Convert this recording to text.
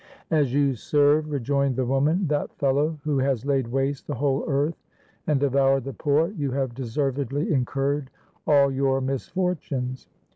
— "As you serve," re joined the woman, "that fellow who has laid waste the whole earth and devoured the poor, you have deservedly incurred all your misfortunes."